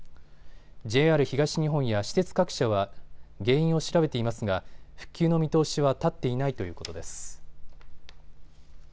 ＪＲ東日本や私鉄各社は原因を調べていますが復旧の見通しは立っていないということです。